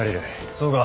そうか。